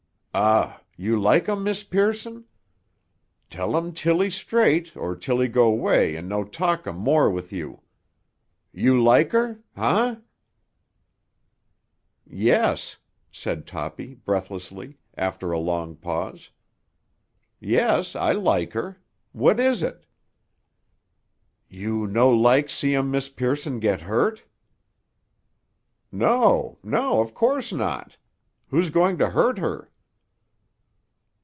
"Uh! You like um Miss Pearson? Tell um Tilly straight or Tilly go 'way and no talk um more with you. You like her? Huh?" "Yes," said Toppy breathlessly, after a long pause. "Yes, I like her. What is it?" "You no like see um Miss Pearson get hurt?" "No, no; of course not. Who's going to hurt her?"